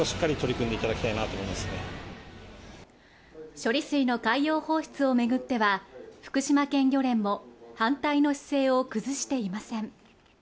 処理水の海洋放出を巡っては、福島県漁連も反対の姿勢を崩していません。